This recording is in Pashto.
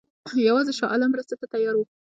یوازې شاه عالم مرستې ته تیار وو.